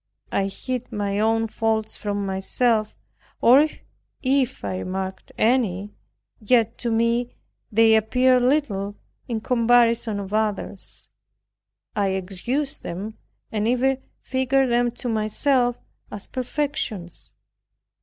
I hid my own faults from myself, or if I remarked any, yet to me they appeared little in comparison of others. I excused, and even figured them to myself as perfections.